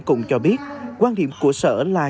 cũng cho biết quan điểm của sở là